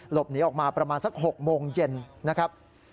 หลบหนีออกมาประมาณสัก๖โมงเย็นนะครับ